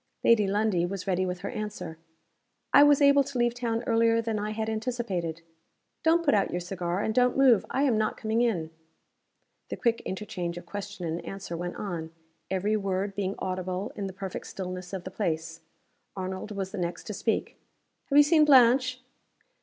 Lady Lundie was ready with her answer. "I was able to leave town earlier than I had anticipated. Don't put out your cigar; and don't move. I am not coming in." The quick interchange of question and answer went on; every word being audible in the perfect stillness of the place. Arnold was the next to speak. "Have you seen Blanche?"